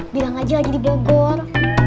bilang aja lagi di bogor